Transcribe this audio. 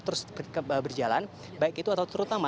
terus berjalan baik itu atau terutama